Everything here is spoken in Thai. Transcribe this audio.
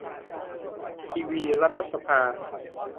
ทีวีรัฐสภา